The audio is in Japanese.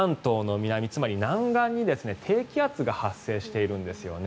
関東の南、南岸に低気圧が発達しているんですよね